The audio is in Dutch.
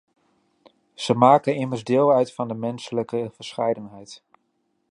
Ze maken immers deel uit van de menselijke verscheidenheid.